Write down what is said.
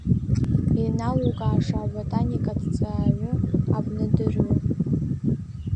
Иналукааша аботаникаҭҵааҩы, абнадырҩы.